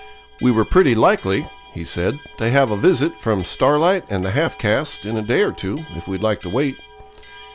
We were pretty likely, he said, to have a visit from Starlight and the half caste in a day or two, if we'd like to wait.